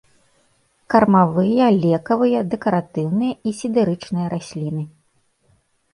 Кармавыя, лекавыя, дэкаратыўныя і сідэрычныя расліны.